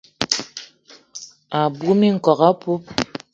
A bug minkok apoup